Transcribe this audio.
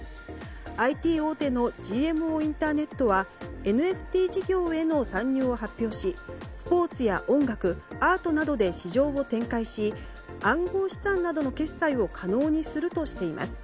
ＩＴ大手のＧＭＯインターネットはＮＦＴ事業への参入を発表しスポーツや音楽アートなどで市場を展開し暗号資産などの決済を可能にするとしています。